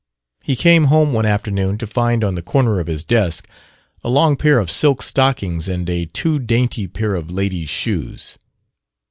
He came home one afternoon to find on the corner of his desk a long pair of silk stockings and a too dainty pair of ladies' shoes.